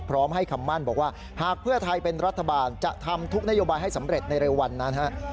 พร้อมให้คำมั่นบอกว่าหากเพื่อไทยเป็นรัฐบาลจะทำทุกนโยบายให้สำเร็จในเร็ววันนั้น